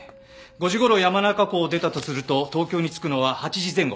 ５時頃山中湖を出たとすると東京に着くのは８時前後。